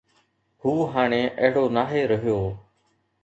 هو هاڻي اهڙو ناهي رهيو.